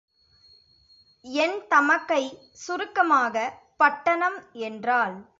என் தமக்கை சுருக்கமாக, பட்டணம் என்றாள்.